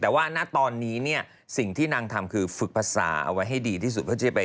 แต่ว่าณตอนนี้เนี่ยสิ่งที่นางทำคือฝึกภาษาเอาไว้ให้ดีที่สุดเพื่อจะไป